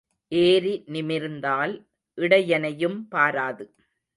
ஏரி நிமிர்ந்தால் இடையனையும் பாராது.